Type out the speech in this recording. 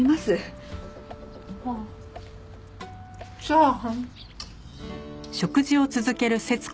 ああチャーハン。